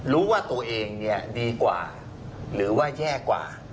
รู้ว่าตัวเองเนี่ยดีกว่าหรือว่าแย่กว่า